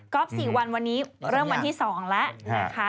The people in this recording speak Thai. ๔วันวันนี้เริ่มวันที่๒แล้วนะคะ